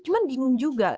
cuman bingung juga